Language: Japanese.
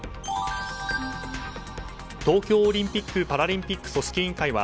東京オリンピック・パラリンピック組織委員会は